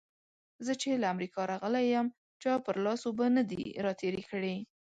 زه چې له امريکا راغلی يم؛ چا پر لاس اوبه نه دې راتېرې کړې.